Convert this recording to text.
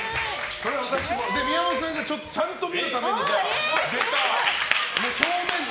宮本さんがちゃんと見るために正面に。